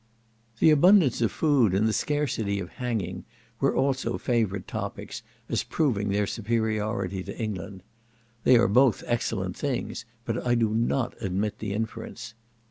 The abundance of food and the scarcity of hanging were also favourite topics, as proving their superiority to England. They are both excellent things, but I do not admit the inference.